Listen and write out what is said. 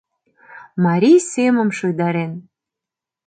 Марий семым шуйдарен